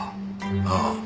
ああ。